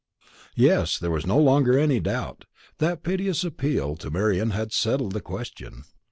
Yes, there was no longer any doubt; that piteous appeal to Marian had settled the question.